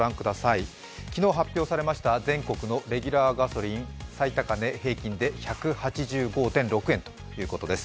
昨日発表されました全国のレギュラーガソリン平均で１７５．６円ということです。